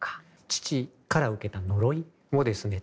父から受けた呪いをですね